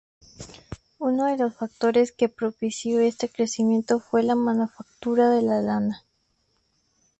Uno de los factores que propició este crecimiento fue la manufactura de la lana.